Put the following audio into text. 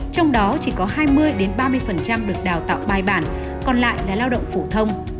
trong đó chỉ có hai mươi ba mươi được đào tạo bài bản còn lại là lao động phổ thông